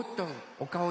おかお